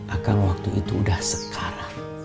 akang waktu itu udah sekarat